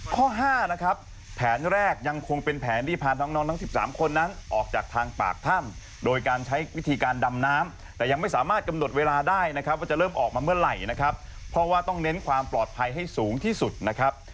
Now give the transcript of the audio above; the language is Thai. ข้อห้านะครับแผนแรกยังคงเป็นแผนที่พาน้องน้องทั้ง๑๓คนนั้นออกจากทางปากถ้ำโดยการใช้วิธีการดำน้ำแต่ยังไม่สามารถกำหนดเวลาได้นะครับว่าจะเริ่มออกมาเมื่อไหร่นะครับเพราะว่าต้องเน้นความปลอดภัยให้สูงที่สุดนะครับ